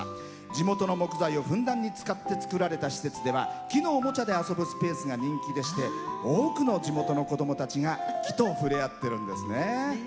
地元の木材を、ふんだんに使って作られた施設では木のおもちゃで遊ぶスペースが人気でして多くの地元の子供たちが木とふれあっているんですね。